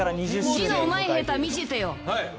字のうまい、下手、見せてよ。